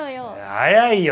早いよ。